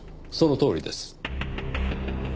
そのとおりです。